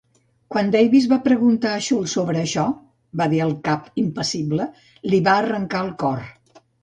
Quan Davis va preguntar a Schultz sobre això, va dir el cap impassible, li vaig arrencar el cor.